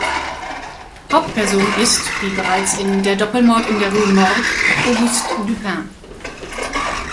Hauptperson ist, wie bereits in "Der Doppelmord in der Rue Morgue", Auguste Dupin.